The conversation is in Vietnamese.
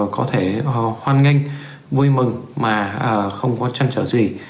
có thể hoan nghênh vui mừng mà không có chăn trở gì